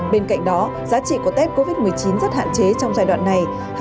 bên cạnh đó giá trị của tết covid một mươi chín rất hạn chế trong giai đoạn này